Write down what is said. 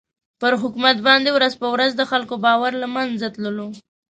پر حکومت باندې ورځ په ورځ د خلکو باور له مېنځه تللو.